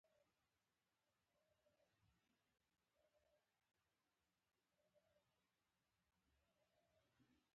د شاوخوا اته پنځوس هېوادونو تر منځ پیل شوي